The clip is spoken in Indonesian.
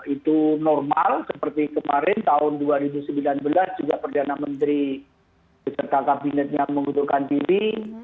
itu normal seperti kemarin tahun dua ribu sembilan belas juga perdana menteri beserta kabinetnya mengundurkan diri